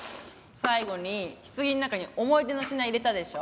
最後に棺の中に思い出の品入れたでしょ？